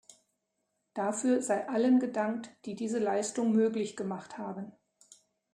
Dafür sei allen gedankt, die diese Leistung möglich gemacht haben.